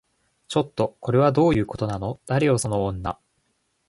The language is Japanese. ちょっと、これはどういうことなの？誰よその女